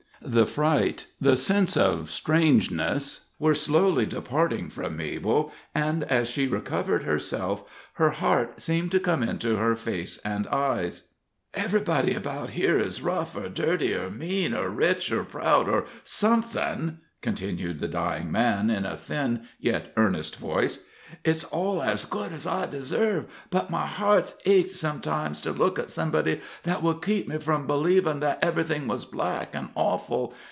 The fright, the sense of strangeness, were slowly departing from Mabel, and as she recovered herself her heart seemed to come into her face and eyes. "Ev'rybody about here is rough, or dirty, or mean, or rich, or proud, or somethin'," continued the dying man, in a thin yet earnest voice. "It's all as good as I deserve; but my heart's ached sometimes to look at somebody that would keep me from b'leevin' that ev'rything was black an' awful.